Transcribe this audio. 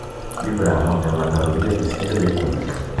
Il brano è una parodia di stile dei Queen.